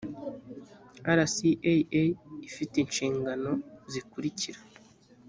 rcaa afite inshingano zikurikira